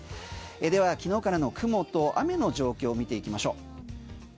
では、昨日からの雲と雨の状況を見ていきましょう。